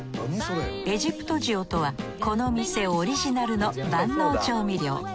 エジプト塩とはこの店オリジナルの万能調味料。